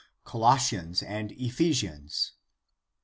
Colossians and Ephesians.